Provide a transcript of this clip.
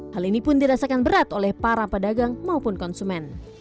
hal ini pun dirasakan berat oleh para pedagang maupun konsumen